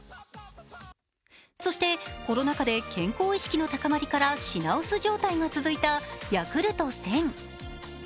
そして、コロナ禍で健康意識の高まりから品薄状態が続いたＹａｋｕｌｔ１０００。